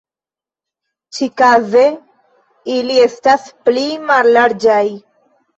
Ĉikaze, ili estas pli mallarĝaj.